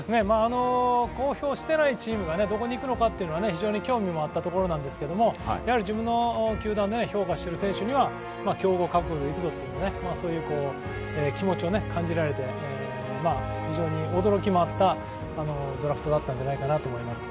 公表していないチームがどこに行くのかというのは非常に興味もあったところなんですけども自分の球団で評価している選手には競合覚悟でいくぞというそういう気持ちを感じられて、非常に驚きもあったドラフトだったんじゃないかなと思います。